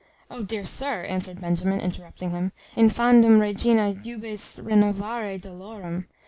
"O dear sir!" answered Benjamin, interrupting him, "Infandum, regina, jubes renovare dolorem.